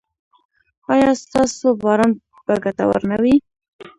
ایا ستاسو باران به ګټور نه وي؟